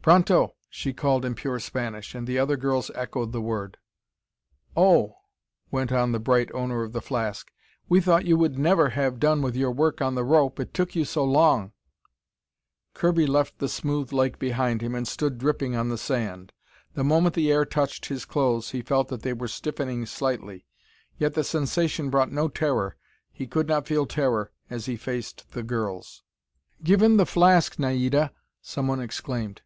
"Pronto!" she called in pure Spanish, and other girls echoed the word. "Oh," went on the bright owner of the flask, "we thought you would never have done with your work on the rope. It took you so long!" Kirby left the smooth lake behind him and stood dripping on the sand. The moment the air touched his clothes, he felt that they were stiffening slightly. Yet the sensation brought no terror. He could not feel terror as he faced the girls. "Give him the flask, Naida!" someone exclaimed.